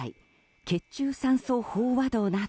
血中酸素飽和度など。